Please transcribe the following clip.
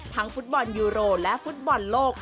ฟุตบอลยูโรและฟุตบอลโลก